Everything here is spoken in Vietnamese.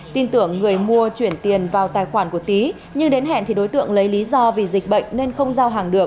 tin tưởng người mua chuyển tiền vào tài khoản của tý nhưng đến hẹn thì đối tượng lấy lý do vì dịch bệnh nên không giao hàng được